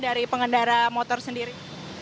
dari pengendara motor sendiri